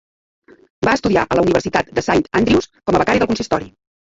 Va estudiar a la Universitat de Saint Andrews com a "becari del consistori".